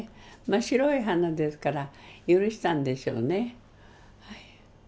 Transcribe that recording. まあ白い花ですから許したんでしょうね。